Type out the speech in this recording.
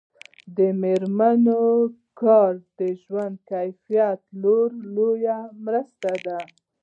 د میرمنو کار د ژوند کیفیت لوړولو مرسته ده.